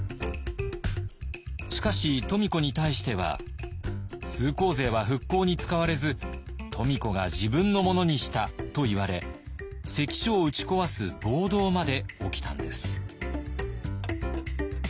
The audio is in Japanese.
しかし富子に対しては「通行税は復興に使われず富子が自分のものにした」といわれ関所を打ち壊す暴動まで起きたんです。